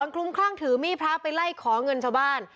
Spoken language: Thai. คลุมคลั่งถือมีดพระไปไล่ขอเงินชาวบ้าน